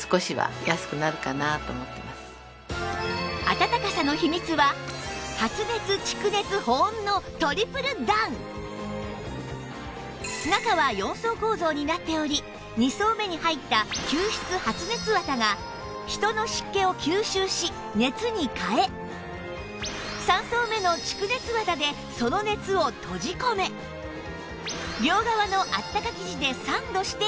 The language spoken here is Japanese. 暖かさの秘密は中は４層構造になっており２層目に入った吸湿発熱綿が人の湿気を吸収し熱に変え３層目の蓄熱綿でその熱を閉じ込め両側のあったか生地でサンドして保温